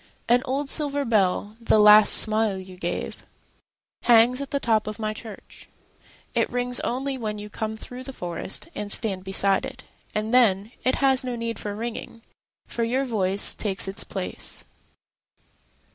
An old silver bell, the last smile you gave, Hangs at the top of my church.It rings only when you come through the forestAnd stand beside it. And then, it has no need for ringing, For your voice takes its place.